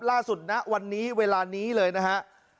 ล่าสุดนะวันนี้เวลานี้เลยนะฮะ